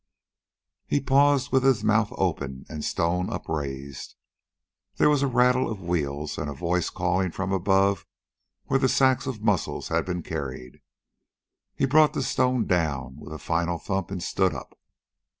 He paused with his mouth open and stone upraised. There was a rattle of wheels and a voice calling from above where the sacks of mussels had been carried. He brought the stone down with a final thump and stood up.